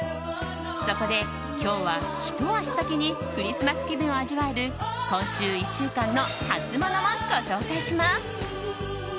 そこで今日はひと足先にクリスマス気分を味わえる今週１週間のハツモノをご紹介します。